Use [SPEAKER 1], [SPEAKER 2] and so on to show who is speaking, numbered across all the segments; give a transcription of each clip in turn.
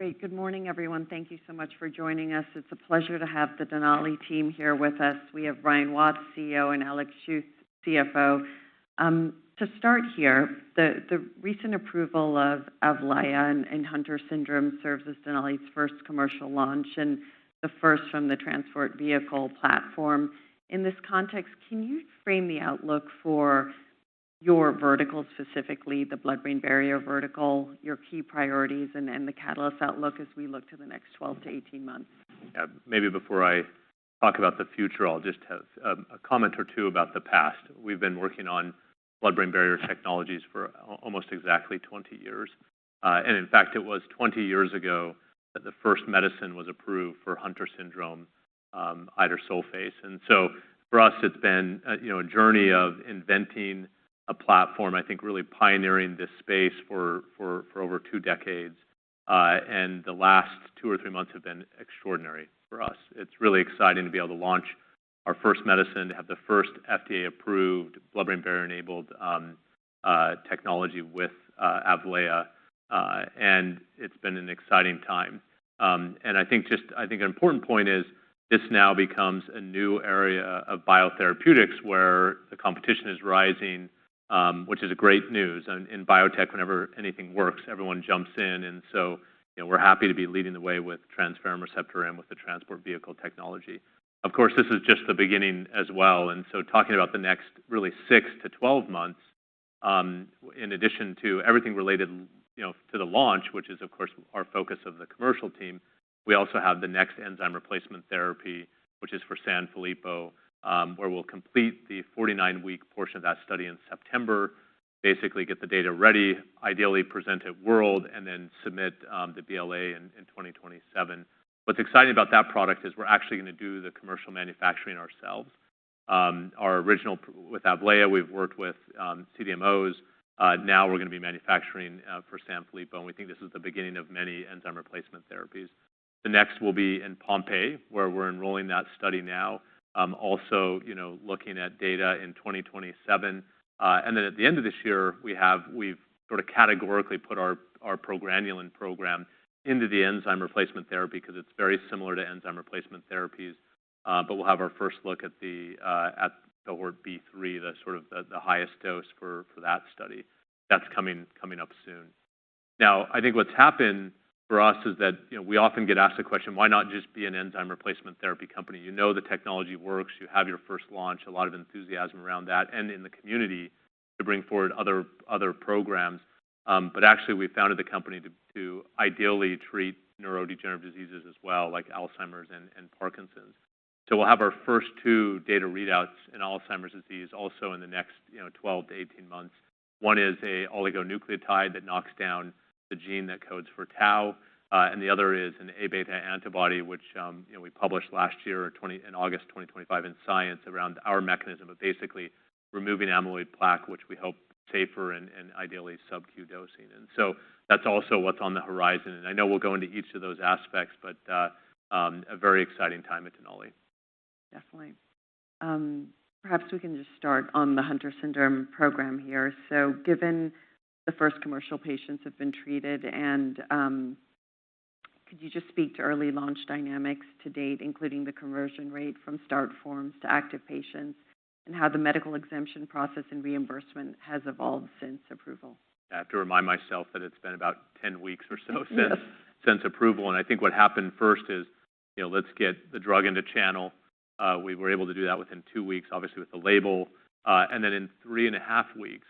[SPEAKER 1] Great. Good morning, everyone. Thank you so much for joining us. It's a pleasure to have the Denali team here with us. We have Ryan Watts, CEO, and Alexander Schuth, CFO. To start here, the recent approval of AVLAYAH in Hunter syndrome serves as Denali's first commercial launch and the first from the Transport Vehicle platform. In this context, can you frame the outlook for your vertical, specifically the blood-brain barrier vertical, your key priorities, and the catalyst outlook as we look to the next 12 to 18 months?
[SPEAKER 2] Yeah. Maybe before I talk about the future, I'll just have a comment or two about the past. We've been working on blood-brain barrier technologies for almost exactly 20 years. In fact, it was 20 years ago that the first medicine was approved for Hunter syndrome, idursulfase. For us, it's been a journey of inventing a platform, I think really pioneering this space for over two decades. The last two or three months have been extraordinary for us. It's really exciting to be able to launch our first medicine, to have the first FDA-approved blood-brain barrier-enabled technology with AVLAYAH, it's been an exciting time. I think an important point is this now becomes a new area of biotherapeutics where the competition is rising, which is great news. In biotech, whenever anything works, everyone jumps in. We're happy to be leading the way with transferrin receptor and with the Transport Vehicle technology. Of course, this is just the beginning as well. Talking about the next really six to 12 months, in addition to everything related to the launch, which is, of course, our focus of the commercial team, we also have the next enzyme replacement therapy, which is for Sanfilippo, where we'll complete the 49-week portion of that study in September, basically get the data ready, ideally present at World, then submit the BLA in 2027. What's exciting about that product is we're actually going to do the commercial manufacturing ourselves. With AVLAYAH, we've worked with CDMOs. Now we're going to be manufacturing for Sanfilippo, and we think this is the beginning of many enzyme replacement therapies. The next will be in Pompe, where we're enrolling that study now. Also looking at data in 2027. At the end of this year, we've sort of categorically put our progranulin program into the enzyme replacement therapy because it's very similar to enzyme replacement therapies. We'll have our first look at the cohort B3, the highest dose for that study. That's coming up soon. I think what's happened for us is that we often get asked the question, why not just be an enzyme replacement therapy company? You know the technology works. You have your first launch, a lot of enthusiasm around that and in the community to bring forward other programs. Actually, we founded the company to ideally treat neurodegenerative diseases as well, like Alzheimer's and Parkinson's. We'll have our first two data readouts in Alzheimer's disease also in the next 12 to 18 months. One is an oligonucleotide that knocks down the gene that codes for tau. The other is an A-beta antibody, which we published last year in August 2025 in "Science" around our mechanism of basically removing amyloid plaque, which we hope safer and ideally sub-Q dosing. That's also what's on the horizon. I know we'll go into each of those aspects, but a very exciting time at Denali.
[SPEAKER 1] Definitely. Perhaps we can just start on the Hunter syndrome program here. Given the first commercial patients have been treated, could you just speak to early launch dynamics to date, including the conversion rate from start forms to active patients and how the medical exemption process and reimbursement has evolved since approval?
[SPEAKER 2] I have to remind myself that it's been about 10 weeks or so since approval. I think what happened first is, let's get the drug into channel. We were able to do that within two weeks, obviously, with the label. In three and a half weeks,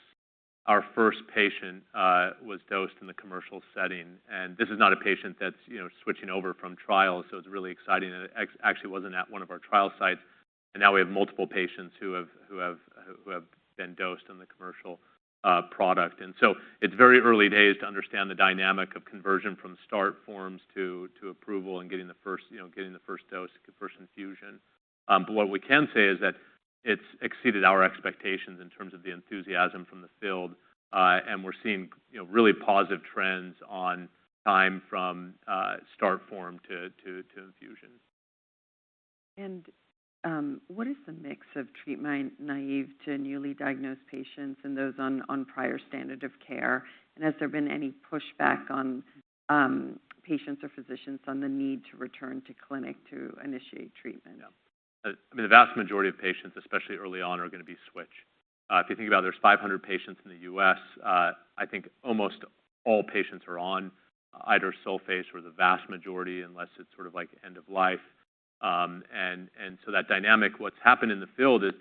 [SPEAKER 2] our first patient was dosed in the commercial setting. This is not a patient that's switching over from trials, so it's really exciting, and it actually wasn't at one of our trial sites. Now we have multiple patients who have been dosed on the commercial product. It's very early days to understand the dynamic of conversion from start forms to approval and getting the first dose, first infusion. What we can say is that it's exceeded our expectations in terms of the enthusiasm from the field, and we're seeing really positive trends on time from start form to infusion.
[SPEAKER 1] What is the mix of treatment-naïve to newly diagnosed patients and those on prior standard of care? Has there been any pushback on patients or physicians on the need to return to clinic to initiate treatment?
[SPEAKER 2] I mean, the vast majority of patients, especially early on, are going to be switch. If you think about it, there's 500 patients in the U.S. I think almost all patients are on idursulfase, or the vast majority, unless it's sort of end-of-life. That dynamic, what's happened in the field is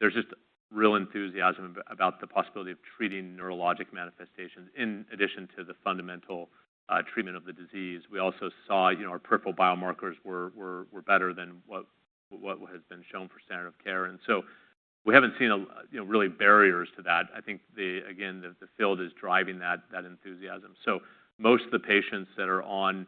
[SPEAKER 2] there's just real enthusiasm about the possibility of treating neurologic manifestations in addition to the fundamental treatment of the disease. We also saw our peripheral biomarkers were better than what has been shown for standard of care. We haven't seen really barriers to that. I think, again, the field is driving that enthusiasm. Most of the patients that are on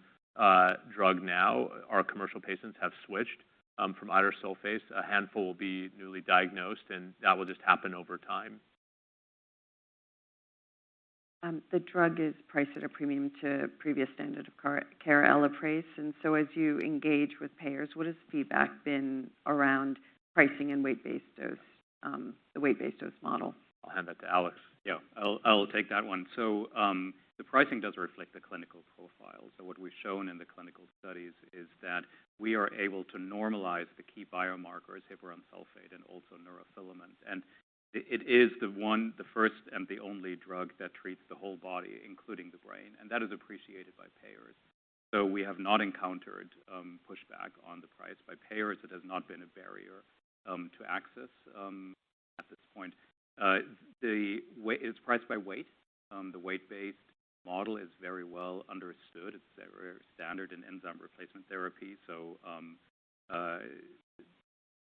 [SPEAKER 2] drug now are commercial patients have switched from idursulfase. A handful will be newly diagnosed, and that will just happen over time.
[SPEAKER 1] The drug is priced at a premium to previous standard of care, ELAPRASE. As you engage with payers, what has feedback been around pricing and the weight-based dose model?
[SPEAKER 2] I'll hand that to Alex.
[SPEAKER 3] Yeah. I'll take that one. The pricing does reflect the clinical profile. What we've shown in the clinical studies is that we are able to normalize the key biomarkers, heparan sulfate, and also neurofilaments. It is the one, the first, and the only drug that treats the whole body, including the brain, and that is appreciated by payers. We have not encountered pushback on the price by payers. It has not been a barrier to access at this point. It's priced by weight. The weight-based model is very well understood. It's very standard in enzyme replacement therapy.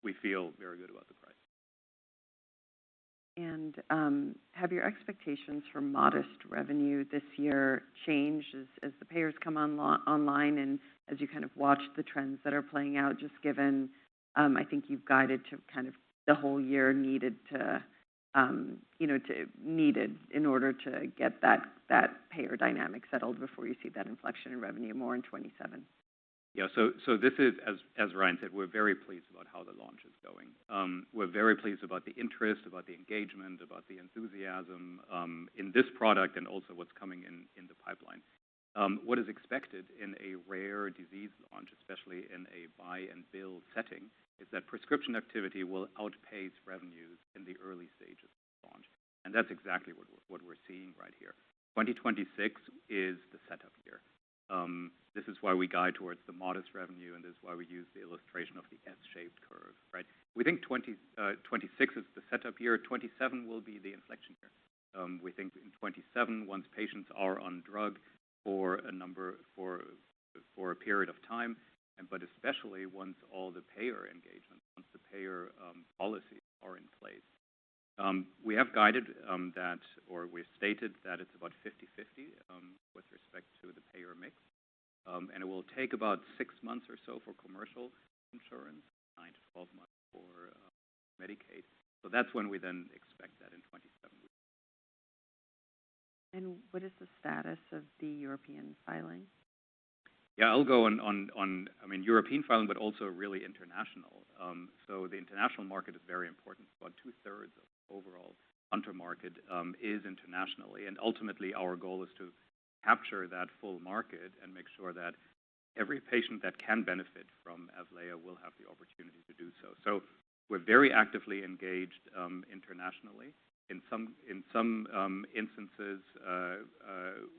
[SPEAKER 3] We feel very good about the price.
[SPEAKER 1] Have your expectations for modest revenue this year changed as the payers come online and as you watch the trends that are playing out, just given, I think you've guided to the whole year needed in order to get that payer dynamic settled before you see that inflection in revenue more in 2027.
[SPEAKER 3] Yeah. This is, as Ryan said, we're very pleased about how the launch is going. We're very pleased about the interest, about the engagement, about the enthusiasm, in this product and also what's coming in the pipeline. What is expected in a rare disease launch, especially in a buy-and-bill setting, is that prescription activity will outpace revenues in the early stages of the launch. That's exactly what we're seeing right here. 2026 is the setup year. This is why we guide towards the modest revenue, and this is why we use the illustration of the S-shaped curve. We think 2026 is the setup year. 2027 will be the inflection year. We think in 2027, once patients are on drug for a period of time, but especially once all the payer engagements, once the payer policies are in place. We have guided that, or we've stated that it's about 50/50 with respect to the payer mix. It will take about six months or so for commercial insurance, nine to 12 months for Medicaid. That's when we then expect that in 2027.
[SPEAKER 1] What is the status of the European filing?
[SPEAKER 3] I'll go on European filing, really international. The international market is very important. About 2/3 of the overall Hunter market is internationally, ultimately our goal is to capture that full market and make sure that every patient that can benefit from AVLAYAH will have the opportunity to do so. We're very actively engaged internationally. In some instances,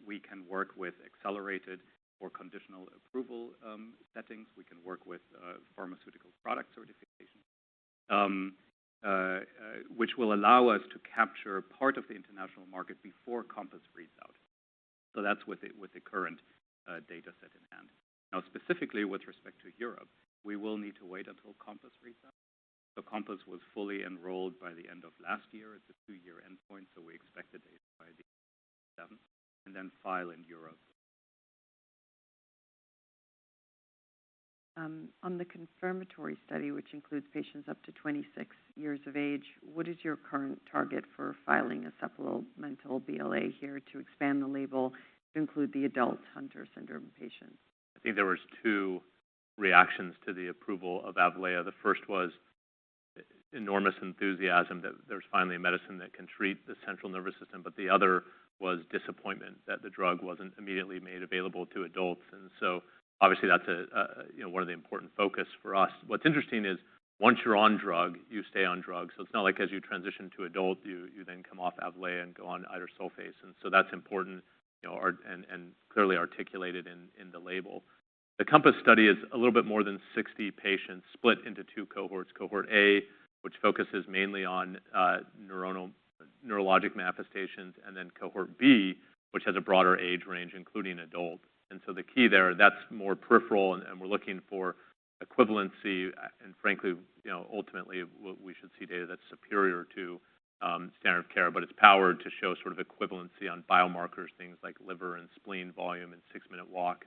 [SPEAKER 3] we can work with accelerated or conditional approval settings. We can work with pharmaceutical product certification, which will allow us to capture part of the international market before COMPASS reads out. That's with the current data set in hand. Specifically with respect to Europe, we will need to wait until COMPASS reads out. COMPASS was fully enrolled by the end of last year. It's a two-year endpoint, we expect the data by the end of 2027, file in Europe.
[SPEAKER 1] On the confirmatory study, which includes patients up to 26 years of age, what is your current target for filing a supplemental BLA here to expand the label to include the adult Hunter syndrome patients?
[SPEAKER 2] I think there was two reactions to the approval of AVLAYAH. The first was enormous enthusiasm that there's finally a medicine that can treat the central nervous system, the other was disappointment that the drug wasn't immediately made available to adults. Obviously that's one of the important focus for us. What's interesting is once you're on drug, you stay on drug. It's not like as you transition to adult, you then come off AVLAYAH and go on idursulfase. That's important, clearly articulated in the label. The COMPASS study is a little bit more than 60 patients split into two cohorts, Cohort A, which focuses mainly on neurologic manifestations, Cohort B, which has a broader age range, including adults. The key there, that's more peripheral, we're looking for equivalency. Frankly, ultimately, we should see data that's superior to standard of care, but it's powered to show sort of equivalency on biomarkers, things like liver and spleen volume and six-minute walk.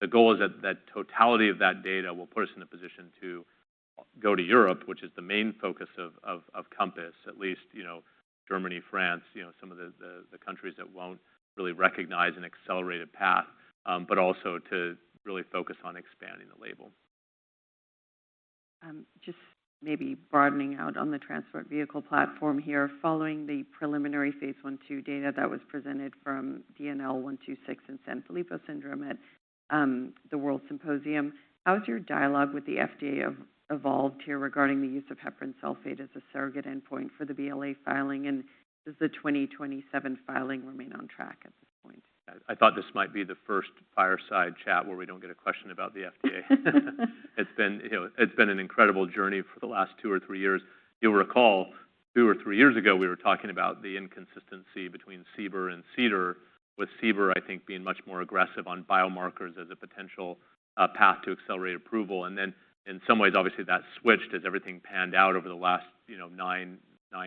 [SPEAKER 2] The goal is that that totality of that data will put us in a position to go to Europe, which is the main focus of COMPASS, at least Germany, France, some of the countries that won't really recognize an accelerated path, but also to really focus on expanding the label.
[SPEAKER 1] Just maybe broadening out on the Transport Vehicle platform here. Following the preliminary phase I/II data that was presented from DNL126 and Sanfilippo syndrome at the WORLDSymposium, how has your dialogue with the FDA evolved here regarding the use of heparan sulfate as a surrogate endpoint for the BLA filing, and does the 2027 filing remain on track at this point?
[SPEAKER 2] I thought this might be the first fireside chat where we don't get a question about the FDA. It's been an incredible journey for the last two or three years. You'll recall, two or three years ago, we were talking about the inconsistency between CBER and CDER, with CBER, I think, being much more aggressive on biomarkers as a potential path to accelerated approval. In some ways, obviously, that switched as everything panned out over the last nine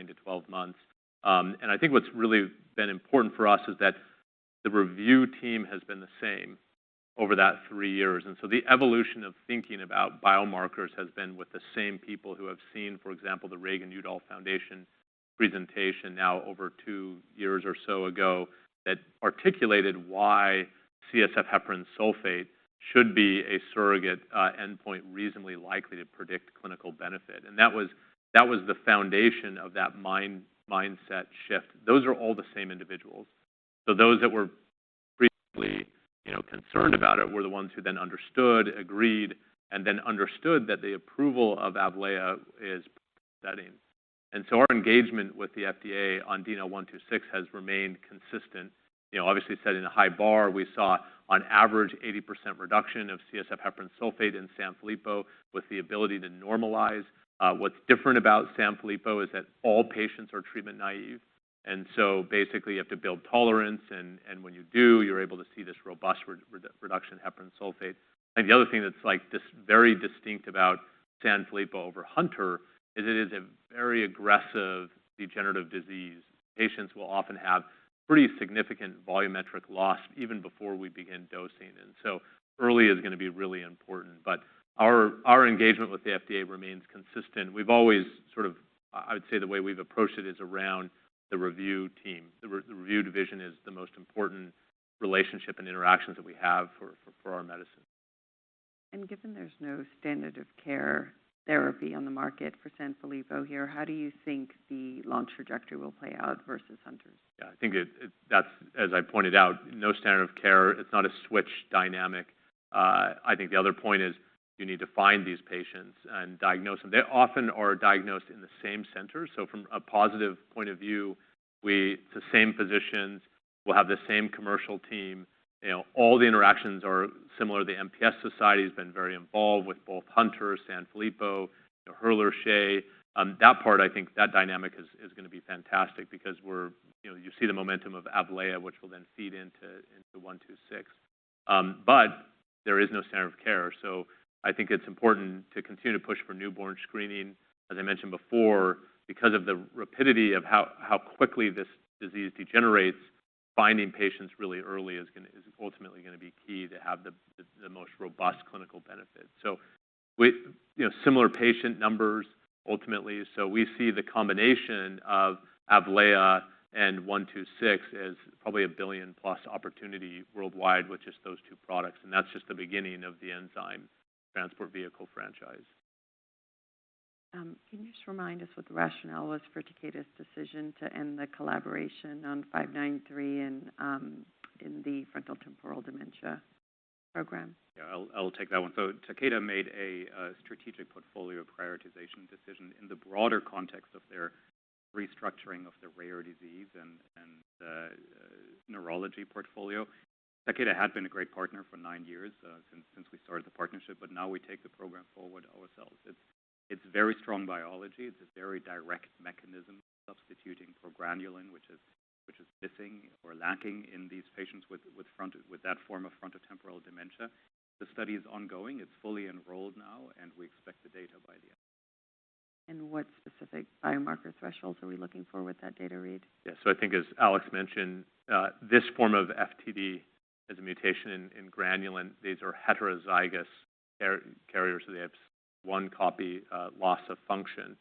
[SPEAKER 2] to 12 months. I think what's really been important for us is that the review team has been the same over that three years. The evolution of thinking about biomarkers has been with the same people who have seen, for example, the Reagan-Udall Foundation presentation now over two years or so ago that articulated why CSF heparan sulfate Should be a surrogate endpoint reasonably likely to predict clinical benefit. That was the foundation of that mindset shift. Those are all the same individuals. Those that were previously concerned about it were the ones who then understood, agreed, and then understood that the approval of AVLAYAH is part of that aim. Our engagement with the FDA on DNL126 has remained consistent. Obviously, setting a high bar, we saw on average 80% reduction of CSF heparan sulfate in Sanfilippo with the ability to normalize. What's different about Sanfilippo is that all patients are treatment naive, and so basically you have to build tolerance, and when you do, you're able to see this robust reduction in heparan sulfate. I think the other thing that's just very distinct about Sanfilippo over Hunter is it is a very aggressive degenerative disease. Patients will often have pretty significant volumetric loss even before we begin dosing. Early is going to be really important. Our engagement with the FDA remains consistent. I would say the way we've approached it is around the review team. The review division is the most important relationship and interactions that we have for our medicine.
[SPEAKER 1] Given there's no standard of care therapy on the market for Sanfilippo here, how do you think the launch trajectory will play out versus Hunter?
[SPEAKER 2] I think that's, as I pointed out, no standard of care. It's not a switch dynamic. I think the other point is you need to find these patients and diagnose them. They often are diagnosed in the same center. From a positive point of view, it's the same physicians. We'll have the same commercial team. All the interactions are similar. The MPS Society has been very involved with both Hunter, Sanfilippo, Hurler-Scheie. That part, I think, that dynamic is going to be fantastic because you see the momentum of AVLAYAH, which will then feed into 126. There is no standard of care. I think it's important to continue to push for newborn screening. As I mentioned before, because of the rapidity of how quickly this disease degenerates, finding patients really early is ultimately going to be key to have the most robust clinical benefit. With similar patient numbers, ultimately, we see the combination of AVLAYAH and 126 as probably a billion-plus opportunity worldwide with just those two products, and that's just the beginning of the Enzyme Transport Vehicle franchise.
[SPEAKER 1] Can you just remind us what the rationale was for Takeda's decision to end the collaboration on 593 in the frontotemporal dementia program?
[SPEAKER 2] Yeah, I'll take that one. Takeda made a strategic portfolio prioritization decision in the broader context of their restructuring of their rare disease and neurology portfolio. Takeda had been a great partner for nine years, since we started the partnership, now we take the program forward ourselves. It's very strong biology. It's a very direct mechanism, substituting for granulin, which is missing or lacking in these patients with that form of frontotemporal dementia. The study is ongoing. It's fully enrolled now, we expect the data by the end of the year.
[SPEAKER 1] What specific biomarker thresholds are we looking for with that data read?
[SPEAKER 2] Yeah. I think as Alex mentioned, this form of FTD is a mutation in granulin. These are heterozygous carriers, they have one copy loss of function.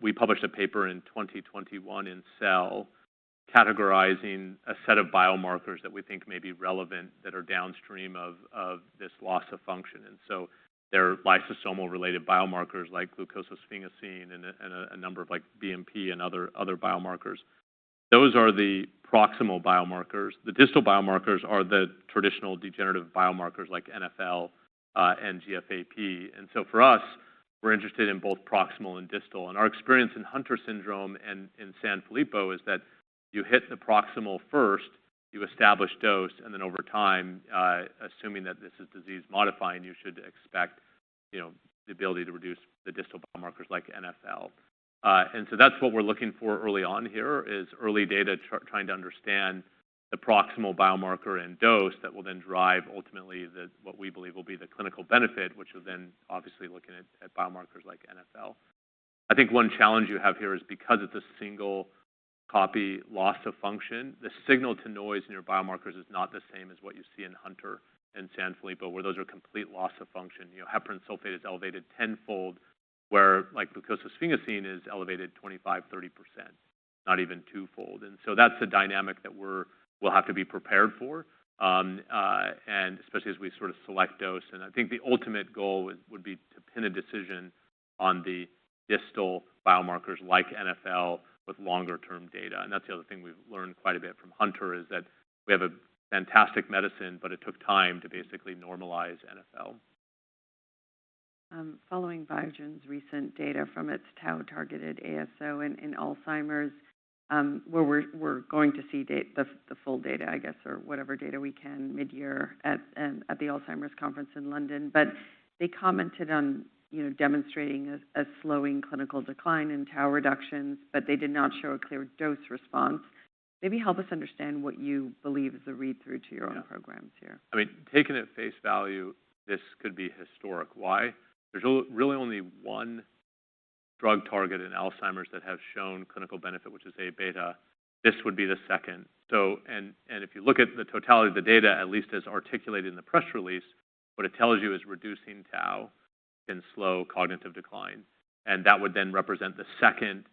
[SPEAKER 2] We published a paper in 2021 in "Cell" categorizing a set of biomarkers that we think may be relevant that are downstream of this loss of function. They're lysosomal-related biomarkers like glucosylsphingosine and a number of BMP and other biomarkers. Those are the proximal biomarkers. The distal biomarkers are the traditional degenerative biomarkers like NfL and GFAP. For us, we're interested in both proximal and distal. Our experience in Hunter syndrome and in Sanfilippo is that you hit the proximal first, you establish dose, then over time, assuming that this is disease-modifying, you should expect the ability to reduce the distal biomarkers like NfL. That's what we're looking for early on here is early data trying to understand the proximal biomarker and dose that will then drive ultimately what we believe will be the clinical benefit, which is then obviously looking at biomarkers like NfL. I think one challenge you have here is because it's a single copy loss of function, the signal-to-noise in your biomarkers is not the same as what you see in Hunter and Sanfilippo, where those are complete loss of function. Heparan sulfate is elevated 10-fold, where glucosylsphingosine is elevated 25%, 30%, not even twofold. That's a dynamic that we'll have to be prepared for, and especially as we sort of select dose. I think the ultimate goal would be to pin a decision on the distal biomarkers like NfL with longer-term data. That's the other thing we've learned quite a bit from Hunter is that we have a fantastic medicine, but it took time to basically normalize NfL.
[SPEAKER 1] Following Biogen's recent data from its tau-targeted ASO in Alzheimer's, where we're going to see the full data, I guess, or whatever data we can mid-year at the Alzheimer's conference in London. They commented on demonstrating a slowing clinical decline in tau reductions, but they did not show a clear dose response. Maybe help us understand what you believe is a read-through to your own programs here.
[SPEAKER 2] Yeah. Taking at face value, this could be historic. Why? There's really only one drug target in Alzheimer's that has shown clinical benefit, which is A-beta. This would be the second. If you look at the totality of the data, at least as articulated in the press release, what it tells you is reducing tau can slow cognitive decline, and that would then represent the second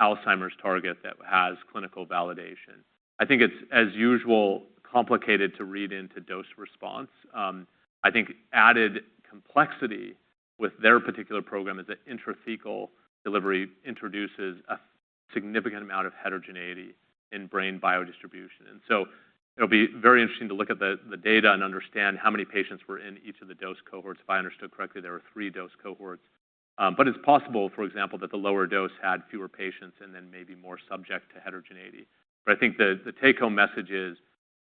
[SPEAKER 2] Alzheimer's target that has clinical validation. I think it's, as usual, complicated to read into dose response. I think added complexity with their particular program is that intrathecal delivery introduces a significant amount of heterogeneity in brain biodistribution. It'll be very interesting to look at the data and understand how many patients were in each of the dose cohorts. If I understood correctly, there were three dose cohorts. It's possible, for example, that the lower dose had fewer patients and then may be more subject to heterogeneity. I think the take-home message is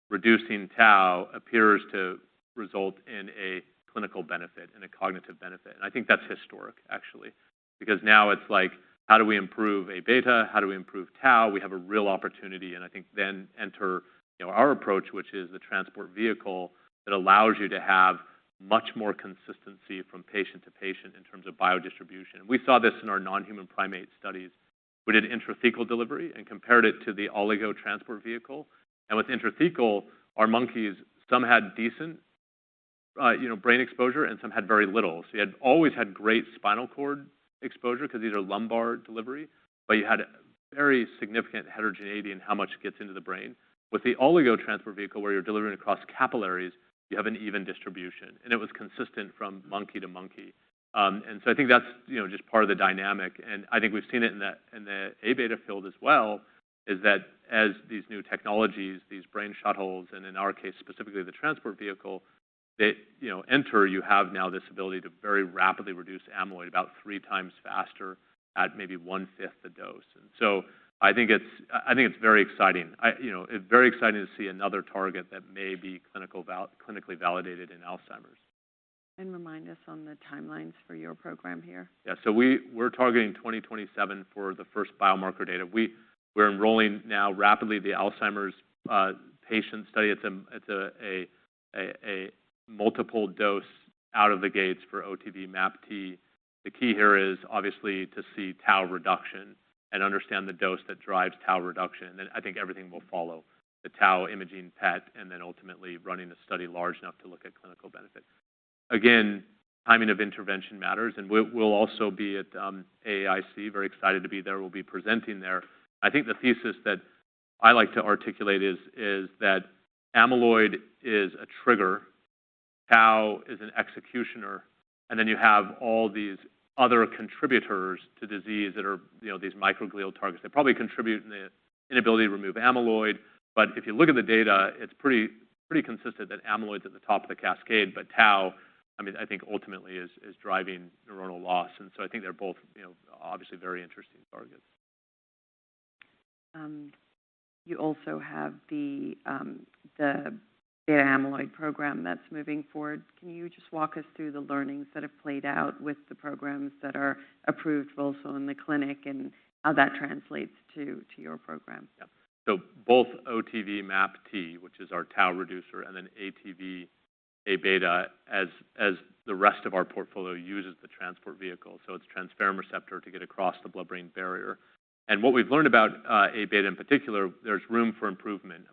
[SPEAKER 2] reducing tau appears to result in a clinical benefit and a cognitive benefit. I think that's historic, actually. Now it's like, how do we improve A-beta? How do we improve tau? We have a real opportunity. I think then enter our approach, which is the Transport Vehicle that allows you to have much more consistency from patient to patient in terms of biodistribution. We saw this in our non-human primate studies. We did intrathecal delivery and compared it to the Oligo Transport Vehicle. With intrathecal, our monkeys, some had decent brain exposure, and some had very little. You had always had great spinal cord exposure because these are lumbar delivery, but you had very significant heterogeneity in how much gets into the brain. With the Oligo Transport Vehicle, where you're delivering across capillaries, you have an even distribution, and it was consistent from monkey to monkey. I think that's just part of the dynamic, and I think we've seen it in the A-beta field as well, is that as these new technologies, these brain shuttles, and in our case, specifically the Transport Vehicle, they enter, you have now this ability to very rapidly reduce amyloid about three times faster at maybe one-fifth the dose. I think it's very exciting. Very exciting to see another target that may be clinically validated in Alzheimer's.
[SPEAKER 1] Remind us on the timelines for your program here.
[SPEAKER 2] We're targeting 2027 for the first biomarker data. We're enrolling now rapidly the Alzheimer's patient study. It's a multiple dose out of the gates for OTV:MAPT. The key here is obviously to see tau reduction and understand the dose that drives tau reduction. I think everything will follow. The tau imaging PET, and then ultimately running a study large enough to look at clinical benefit. Again, timing of intervention matters, and we'll also be at AAIC. Very excited to be there. We'll be presenting there. I think the thesis that I like to articulate is that amyloid is a trigger, tau is an executioner, and then you have all these other contributors to disease that are these microglial targets that probably contribute in the inability to remove amyloid. If you look at the data, it's pretty consistent that amyloid's at the top of the cascade tau, I think ultimately is driving neuronal loss. I think they're both obviously very interesting targets.
[SPEAKER 1] You also have the beta amyloid program that's moving forward. Can you just walk us through the learnings that have played out with the programs that are approved also in the clinic and how that translates to your program?
[SPEAKER 2] Both OTV:MAPT, which is our tau reducer, and ATV:Abeta as the rest of our portfolio uses the transport vehicle. It's transferrin receptor to get across the blood-brain barrier. What we've learned about Abeta in particular, there's room for improvement.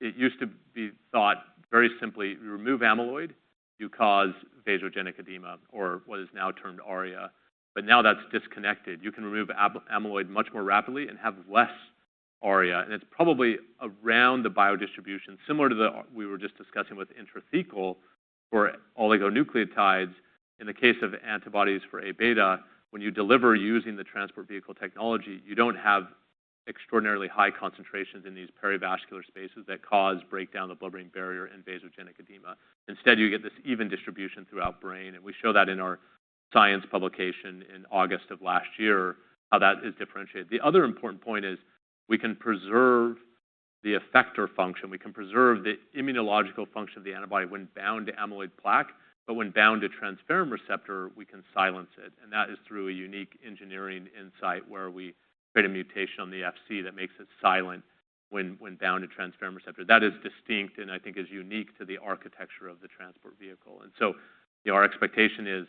[SPEAKER 2] One, it used to be thought very simply, if you remove amyloid, you cause vasogenic edema or what is now termed ARIA. Now that's disconnected. You can remove amyloid much more rapidly and have less ARIA. It's probably around the biodistribution. Similar to we were just discussing with intrathecal for oligonucleotides. In the case of antibodies for Abeta, when you deliver using the transport vehicle technology, you don't have extraordinarily high concentrations in these perivascular spaces that cause breakdown of the blood-brain barrier and vasogenic edema. Instead, you get this even distribution throughout brain. We show that in our Science publication in August of last year, how that is differentiated. The other important point is we can preserve the effector function. We can preserve the immunological function of the antibody when bound to amyloid plaque. When bound to transferrin receptor, we can silence it, and that is through a unique engineering insight where we create a mutation on the Fc that makes it silent when bound to transferrin receptor. That is distinct and I think is unique to the architecture of the transport vehicle. Our expectation is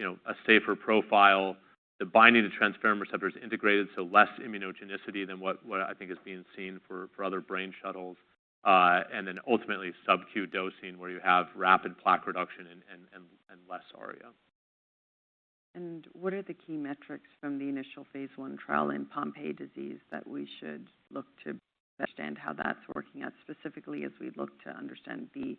[SPEAKER 2] a safer profile. The binding to transferrin receptor is integrated, so less immunogenicity than what I think is being seen for other brain shuttles. Ultimately sub-Q dosing, where you have rapid plaque reduction and less ARIA.
[SPEAKER 1] What are the key metrics from the initial phase I trial in Pompe disease that we should look to understand how that's working out specifically as we look to understand the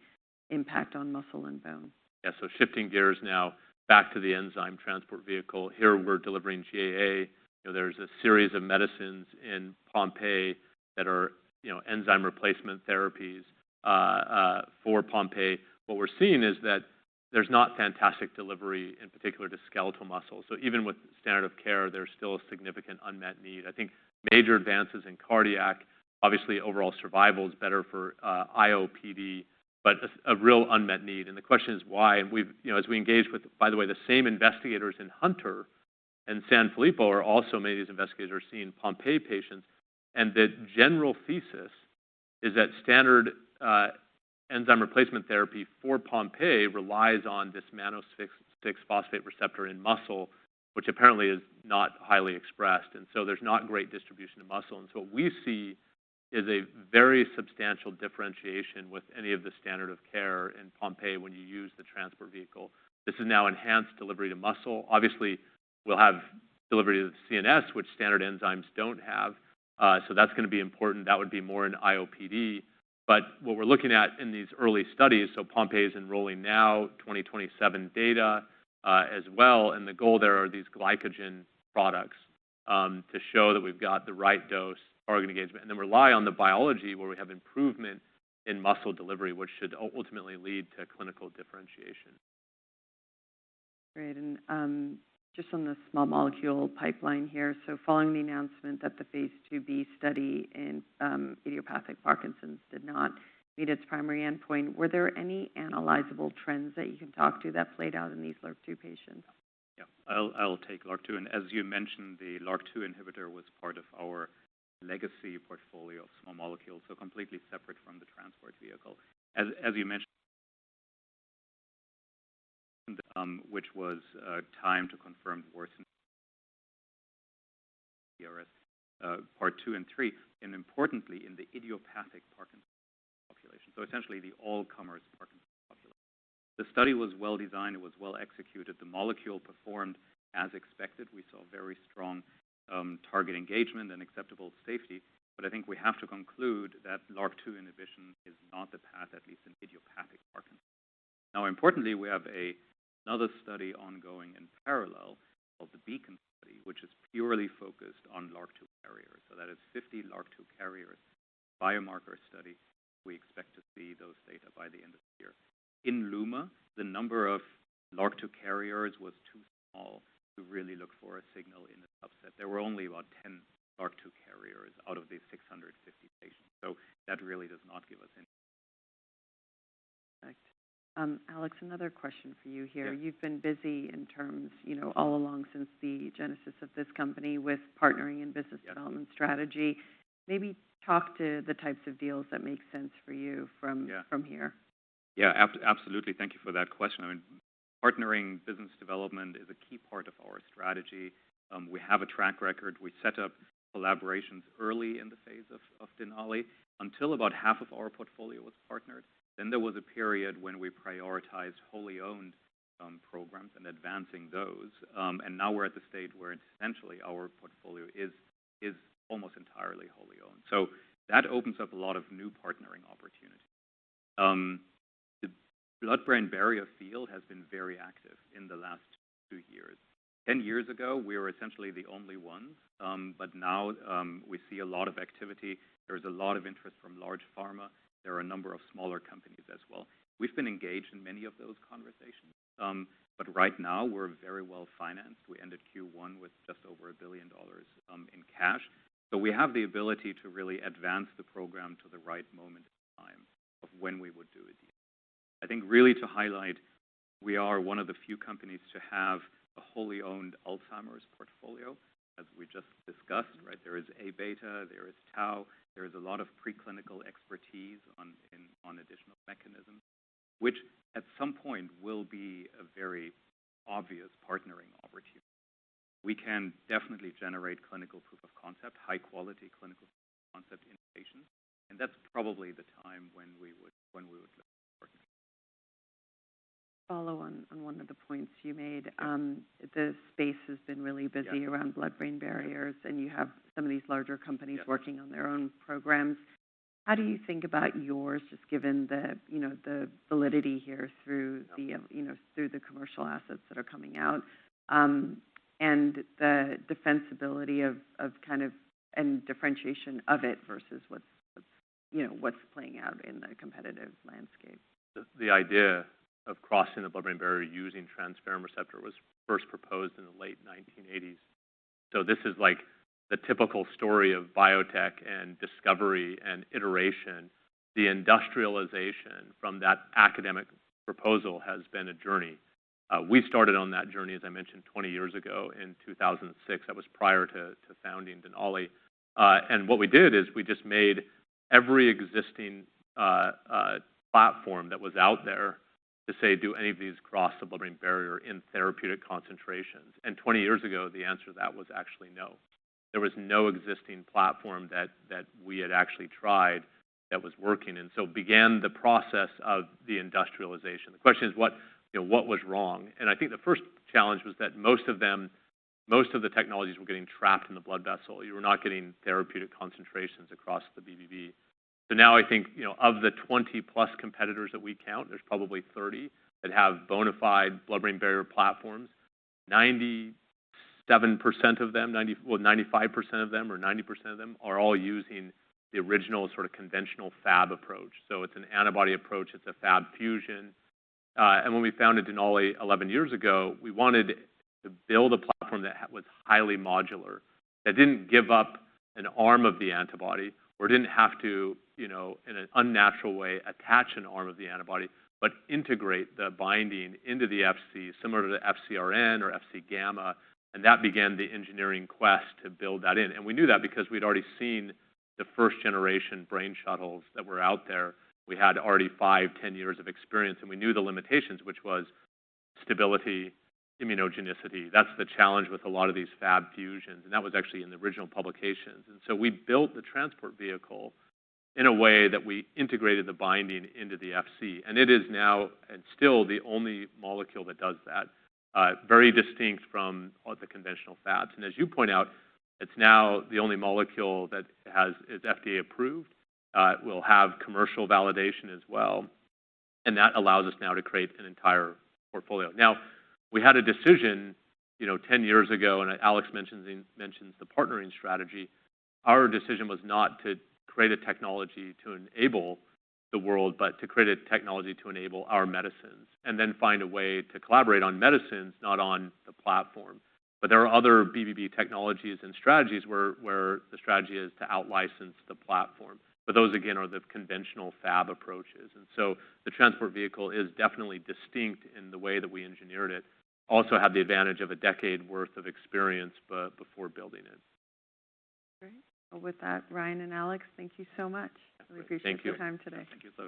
[SPEAKER 1] impact on muscle and bone?
[SPEAKER 2] Yeah. Shifting gears now back to the Enzyme Transport Vehicle. Here, we're delivering GAA. There's a series of medicines in Pompe that are enzyme replacement therapies for Pompe. What we're seeing is that there's not fantastic delivery, in particular to skeletal muscle. Even with standard of care, there's still a significant unmet need. I think major advances in cardiac, obviously overall survival is better for IOPD, but a real unmet need. As we engage with, by the way, the same investigators in Hunter and Sanfilippo are also many of these investigators are seeing Pompe patients. The general thesis is that standard enzyme replacement therapy for Pompe relies on this mannose 6-phosphate receptor in muscle, which apparently is not highly expressed. There's not great distribution to muscle. What we see is a very substantial differentiation with any of the standard of care in Pompe when you use the Transport Vehicle. This is now enhanced delivery to muscle. Obviously, we'll have delivery to the CNS, which standard enzymes don't have. That's going to be important. That would be more in IOPD. What we're looking at in these early studies, Pompe is enrolling now, 2027 data as well, the goal there are these glycogen products to show that we've got the right dose organ engagement, then rely on the biology where we have improvement in muscle delivery, which should ultimately lead to clinical differentiation.
[SPEAKER 1] Great, just on the small molecule pipeline here, following the announcement that the phase IIb study in idiopathic Parkinson's did not meet its primary endpoint, were there any analyzable trends that you can talk to that played out in these LRRK2 patients?
[SPEAKER 2] I'll take LRRK2. As you mentioned, the LRRK2 inhibitor was part of our legacy portfolio of small molecules, completely separate from the Transport Vehicle. As you mentioned, which was time to confirm worsen MDS-UPDRS Part two and three, and importantly, in the idiopathic Parkinson's population. Essentially, the all-comers Parkinson's population. The study was well-designed, it was well-executed. The molecule performed as expected. We saw very strong target engagement and acceptable safety. I think we have to conclude that LRRK2 inhibition is not the path, at least in idiopathic Parkinson's. Importantly, we have another study ongoing in parallel, called the BEACON Study, which is purely focused on LRRK2 carriers. That is 50 LRRK2 carrier biomarker studies. We expect to see those data by the end of the year. In LUMA, the number of LRRK2 carriers was too small to really look for a signal in the subset. There were only about 10 LRRK2 carriers out of these 650 patients. That really does not give us any
[SPEAKER 1] Alex, another question for you here.
[SPEAKER 3] Yeah.
[SPEAKER 1] You've been busy all along since the genesis of this company with partnering and business development strategy. Maybe talk to the types of deals that make sense for you from here.
[SPEAKER 3] Yeah, absolutely. Thank you for that question. Partnering business development is a key part of our strategy. We have a track record. We set up collaborations early in the phase of Denali, until about half of our portfolio was partnered. There was a period when we prioritized wholly owned programs and advancing those. Now we're at the stage where essentially our portfolio is almost entirely wholly owned. That opens up a lot of new partnering opportunities. The blood-brain barrier field has been very active in the last two years. 10 years ago, we were essentially the only ones. Now we see a lot of activity. There's a lot of interest from large pharma. There are a number of smaller companies as well. We've been engaged in many of those conversations. Right now, we're very well financed. We ended Q1 with just over $1 billion in cash. We have the ability to really advance the program to the right moment in time of when we would do a deal. I think really to highlight, we are one of the few companies to have a wholly owned Alzheimer's portfolio, as we just discussed. There is A-beta, there is tau, there is a lot of preclinical expertise on additional mechanisms, which at some point will be a very obvious partnering opportunity. We can definitely generate clinical proof of concept, high-quality clinical proof of concept in patients, and that's probably the time when we would look for.
[SPEAKER 1] Follow on one of the points you made. The space has been really busy around blood-brain barriers. You have some of these larger companies working on their own programs. How do you think about yours, just given the validity here through the commercial assets that are coming out, and the defensibility and differentiation of it versus what's playing out in the competitive landscape?
[SPEAKER 2] The idea of crossing the blood-brain barrier using transferrin receptor was first proposed in the late 1980s. This is the typical story of biotech and discovery and iteration. The industrialization from that academic proposal has been a journey. We started on that journey, as I mentioned, 20 years ago in 2006. That was prior to founding Denali. What we did is we just made every existing platform that was out there to say, do any of these cross the blood-brain barrier in therapeutic concentrations? 20 years ago, the answer to that was actually no. There was no existing platform that we had actually tried that was working, so began the process of the industrialization. The question is, what was wrong? I think the first challenge was that most of the technologies were getting trapped in the blood vessel. You were not getting therapeutic concentrations across the BBB. Now I think, of the 20-plus competitors that we count, there's probably 30, that have bona fide blood-brain barrier platforms. 97% of them, well, 95% of them, or 90% of them, are all using the original sort of conventional Fab approach. It's an antibody approach, it's a Fab fusion. When we founded Denali 11 years ago, we wanted to build a platform that was highly modular, that didn't give up an arm of the antibody, or didn't have to, in an unnatural way, attach an arm of the antibody, but integrate the binding into the Fc, similar to FcRn or Fc gamma. That began the engineering quest to build that in. We knew that because we'd already seen the first-generation brain shuttles that were out there. We had already five, 10 years of experience. We knew the limitations, which was stability, immunogenicity. That's the challenge with a lot of these Fab fusions, and that was actually in the original publications. We built the Transport Vehicle in a way that we integrated the binding into the Fc. It is now, and still, the only molecule that does that. Very distinct from the conventional Fabs. As you point out, it's now the only molecule that is FDA approved. It will have commercial validation as well. That allows us now to create an entire portfolio. We had a decision 10 years ago. Alex mentions the partnering strategy. Our decision was not to create a technology to enable the world, but to create a technology to enable our medicines. Then find a way to collaborate on medicines, not on the platform. There are other BBB technologies and strategies where the strategy is to out-license the platform. Those, again, are the conventional Fab approaches. The Transport Vehicle is definitely distinct in the way that we engineered it. Also had the advantage of a decade worth of experience before building it.
[SPEAKER 1] Great. Well, with that, Ryan and Alex, thank you so much.
[SPEAKER 3] Thank you.
[SPEAKER 1] We appreciate your time today.
[SPEAKER 3] Thank you so much.